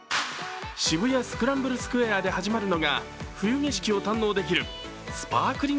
渋谷スクランブルスクエアで始まるのが冬景色を堪能できるＳｐａｒｋｌｉｎｇＶｉｅｗ。